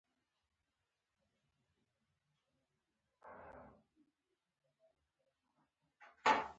ماته مه منه !